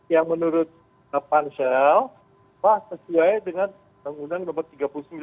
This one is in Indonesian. yang menurut pak pansel pak sesuai dengan penggunaan nomor tiga puluh sembilan tahun